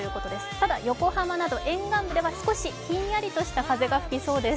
ただ、横浜など沿岸部では少しひんやりとした風が吹きそうです。